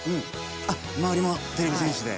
あ周りもてれび戦士で。